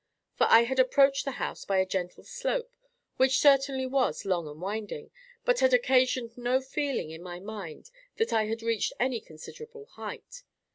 For I had approached the house by a gentle slope, which certainly was long and winding, but had occasioned no feeling in my mind that I had reached any considerable height.